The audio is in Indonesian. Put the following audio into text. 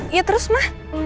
iya terus ma